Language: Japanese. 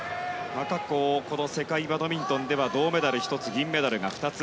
また、この世界バドミントンでは銅メダル１つ、銀メダル２つ。